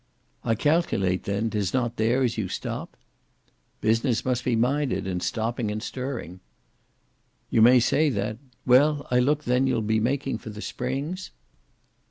"I calculate, then, 'tis not there as you stop?" "Business must be minded, in stopping and in stirring." "You may say that. Well, I look then you'll be making for the Springs?"